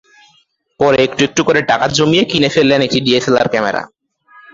পরে একটু একটু করে টাকা জমিয়ে কিনে ফেলেন একটি ডিএসএলআর ক্যামেরা।